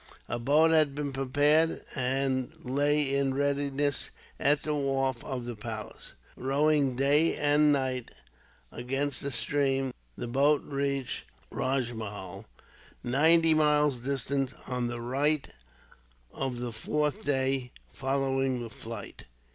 A boat had been prepared, and lay in readiness at the wharf of the palace. Rowing day and night against the stream, the boat reached Rajmahal, ninety miles distant, on the night of the fourth day following his flight.